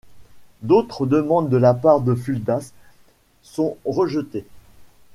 D'autres demandes de la part de Fuldas sont rejetées.